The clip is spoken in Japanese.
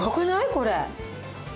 これ。